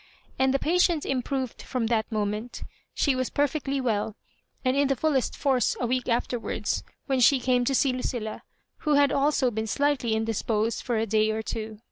And the patient im proved from that moment She was perfectly well, and in the fullest force a week afterwards, when she came to see Lucilla, who had also been slightly indisposed for a day or two.